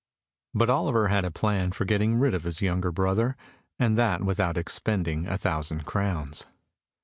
But Oliver had a plan for getting rid of this younger brother, and that without expending a thousand crowns.